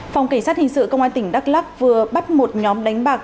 phòng kỳ sát hình sự công an tỉnh đắk lắk vừa bắt một nhóm đánh bạc